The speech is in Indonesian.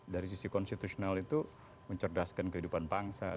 dari sisi konstitusional itu mencerdaskan kehidupan bangsa